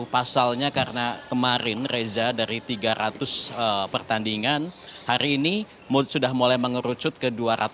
pasalnya karena kemarin reza dari tiga ratus pertandingan hari ini sudah mulai mengerucut ke dua ratus lima puluh